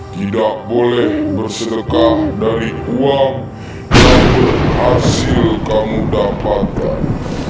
tidak boleh bersedekah dari uang yang berhasil kamu dapatkan